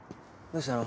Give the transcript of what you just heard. どうしたの？